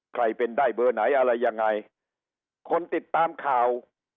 ใครเป็นได้เบอร์ไหนอะไรยังไงคนติดตามข่าว